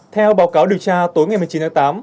theo báo cáo điều tra tối ngày một mươi chín tháng tám